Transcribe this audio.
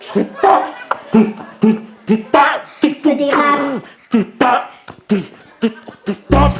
สวัสดีครับ